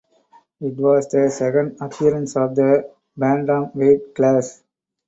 It was the second appearance of the bantamweight class.